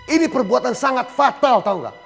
ini perbuatan sangat fatal tau gak